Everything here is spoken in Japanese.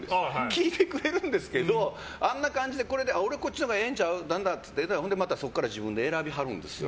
聞いてくれるんですけどあんな感じでこれこっちのほうがええんちゃうって、そこから自分で選びはるんですよ。